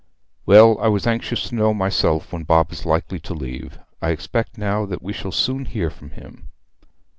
'Well, I was anxious to know myself when Bob is likely to leave. I expect now that we shall soon hear from him.'